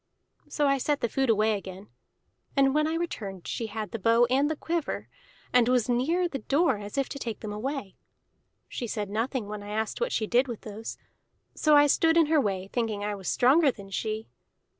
So I set the food away again; and when I returned she had the bow and the quiver, and was near the door as if to take them away. She said nothing when I asked what she did with those; so I stood in her way, thinking I was stronger than she.